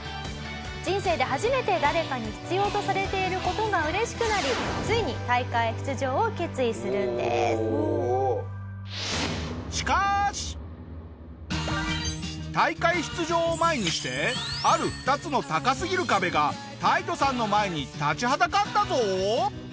人生で初めて誰かに必要とされている事が嬉しくなりついに大会出場を前にしてある２つの高すぎる壁がタイトさんの前に立ちはだかったぞ！